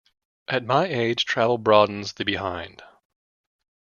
'At my age travel broadens the behind.